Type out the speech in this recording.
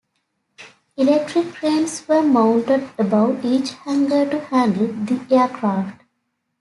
Electric cranes were mounted above each hangar to handle the aircraft.